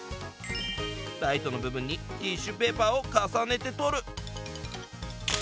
ライトの部分にティッシュペーパーを重ねて撮る。